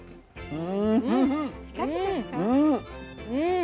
うん。